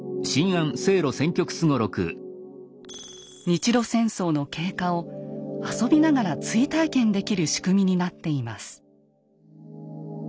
日露戦争の経過を遊びながら追体験できる仕組みになっています。